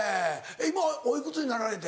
今お幾つになられて？